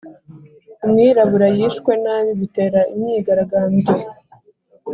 Umwirabura yishwe nabi bitera imyigaragambyo